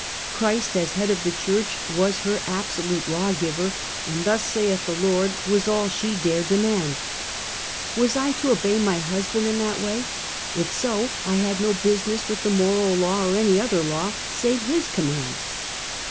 Christ as head of the church was her absolute lawgiver, and thus saith the Lord, was all she dare demand. Was I to obey my husband in that way? If so, I had no business with the moral law or any other law, save his commands.